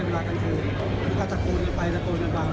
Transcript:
ไม่คิดว่าได้คุยนะครับ